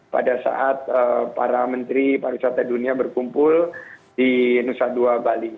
pada saat para menteri pariwisata dunia berkumpul di nusa dua bali